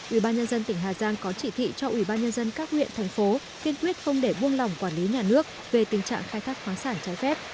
ủy ban nhân dân tỉnh hà giang có chỉ thị cho ủy ban nhân dân các huyện thành phố kiên quyết không để buông lòng quản lý nhà nước về tình trạng khai thác khoáng sản trái phép